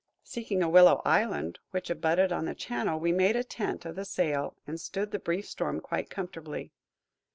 Seeking a willow island which abutted on the channel, we made a tent of the sail and stood the brief storm quite comfortably.